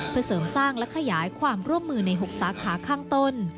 เพื่อเสริมสร้างและขยายความร่วมมือใน๖สาขาข้างต้น